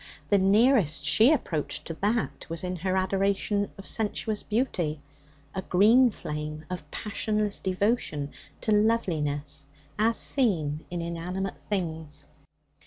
The nearest she approached to that was in her adoration of sensuous beauty, a green flame of passionless devotion to loveliness as seen in inanimate things.